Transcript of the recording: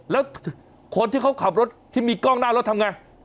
แล้วคนที่เขาขับรถที่มีกล้องหน้ารถทำไง